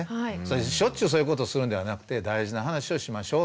しょっちゅうそういうことするんではなくて大事な話をしましょうと。